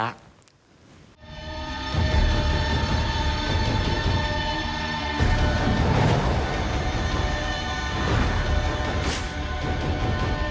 มีแต่รุ่งเรืองราบรื่นด้วยณโมพุทธายะ